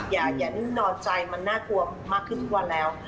อย่านิ่งนอนใจมันน่ากลัวมากขึ้นทุกวันแล้ว